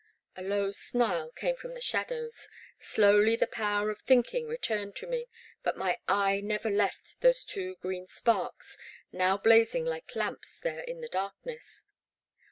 A low snarl came fh>m the shadows. Slowly the power of thinking returned to me, but my eye never left those two green sparks, now blazing like lamps there in the darkness.